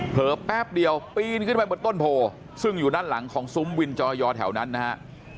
แป๊บเดียวปีนขึ้นไปบนต้นโพซึ่งอยู่ด้านหลังของซุ้มวินจอยอแถวนั้นนะฮะ